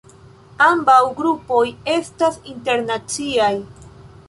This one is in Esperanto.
Ambaŭ grupoj estas internaciaj.